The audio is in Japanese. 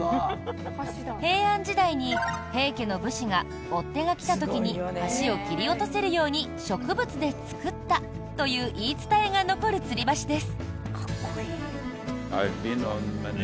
平安時代に、平家の武士が追手が来た時に橋を切り落とせるように植物で作ったという言い伝えが残るつり橋です。